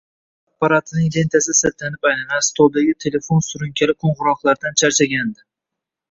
Telegraf apparatining lentasi siltanib aylanar, stoldagi telefon surunkali qo`ng`iroqlardan charchagandi